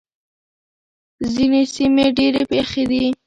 ځينې سيمې ډېرې يخې دي.